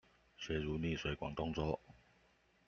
學如逆水廣東粥